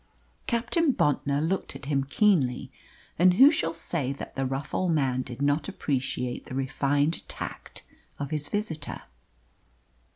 Captain Bontnor looked at him keenly; and who shall say that the rough old man did not appreciate the refined tact of his visitor?